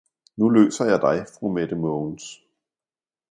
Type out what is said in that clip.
nu løser jeg dig, fru Mette Mogens!